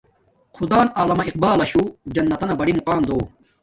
خدان علامہ اقبالشو جنتانہ بڑی مقام دو